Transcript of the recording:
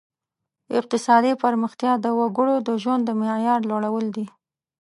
اقتصادي پرمختیا د وګړو د ژوند د معیار لوړول دي.